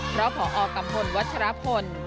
เพราะพอกัมพลวัชรพล